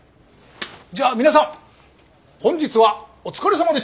じゃあ皆さん本日はお疲れさまでした！